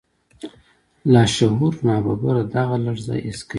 لاشعور ناببره دغه لړزه حس کوي.